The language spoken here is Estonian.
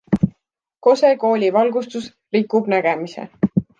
Kose kooli valgustus rikub nägemise.